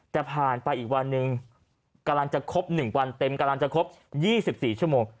แต่ผ่านไปอีกวันหนึ่งกำลังจะครบ๑วันเต็มกำลังจะครบ๒๔ชั่วโมง